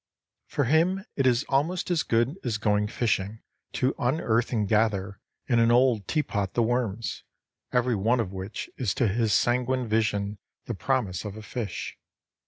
For him it is almost as good as going fishing, to unearth and gather in an old teapot the worms, every one of which is to his sanguine vision the promise of a fish.